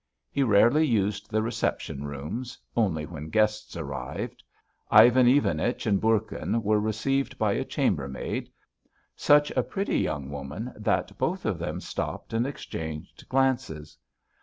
He rarely used the reception rooms, only when guests arrived. Ivan Ivanich and Bourkin were received by a chambermaid; such a pretty young woman that both of them stopped and exchanged glances.